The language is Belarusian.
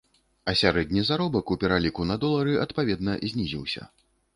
А сярэдні заробак у пераліку на долары адпаведна знізіўся.